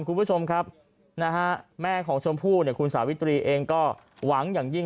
คุณผู้ชมครับนะฮะแม่ของชมพู่คุณสาวิตรีเองก็หวังอย่างยิ่ง